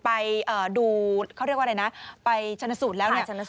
ไปดูเขาเรียกว่าอะไรนะไปชนสูตรแล้วเนี่ย